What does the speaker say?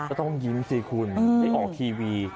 ก็ต้องยิ้มสิคุณได้ออกทีวี